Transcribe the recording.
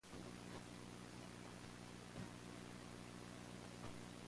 This has glorified suicide bombers.